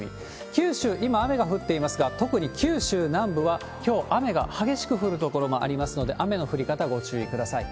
九州、今、雨が降っていますが、特に九州南部はきょう、雨が激しく降る所もありますので、雨の降り方、ご注意ください。